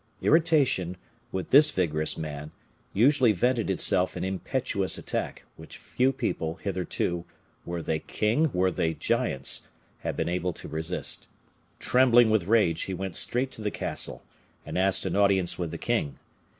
Irritation, with this vigorous man, usually vented itself in impetuous attack, which few people, hitherto, were they king, were they giants, had been able to resist. Trembling with rage, he went straight to the castle, and asked an audience with the king.